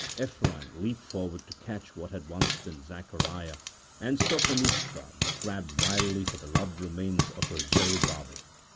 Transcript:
Ephraim leaped forward to catch what had once been Zacariah, and Sophonisba grabbed wildly for the loved remains of her Zerubbabel.